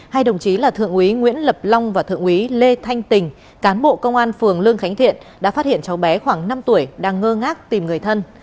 hai đồng chí là thượng úy nguyễn lập long và thượng úy lê thanh tình cán bộ công an phường lương khánh thiện đã phát hiện cháu bé khoảng năm tuổi đang ngơ ngác tìm người thân